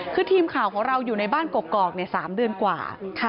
คือทีมข่าวของเราอยู่ในบ้านกอก๓เดือนกว่า